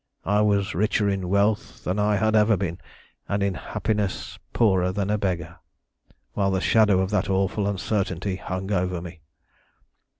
I was richer in wealth than I had ever been, and in happiness poorer than a beggar, while the shadow of that awful uncertainty hung over me.